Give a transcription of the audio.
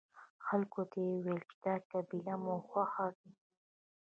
خلکو ته يې ويل چې دا کېبل مو خوښ دی.